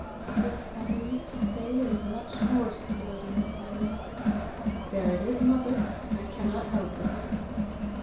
"Your father used to say there was much Norse blood in the family." "There it is, mother! I cannot help it!"